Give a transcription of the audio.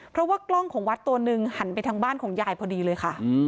เพราะว่ากล้องของวัดตัวหนึ่งหันไปทางบ้านของยายพอดีเลยค่ะ